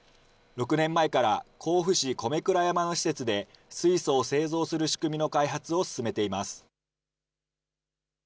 ６年前から甲府市米倉山の施設で、水素を製造する仕組みの開発を進めています。